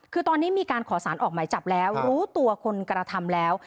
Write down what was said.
คือตอนนี้มีการขอสารออกหมายจับแล้วรู้ตัวคนกระทำแล้ว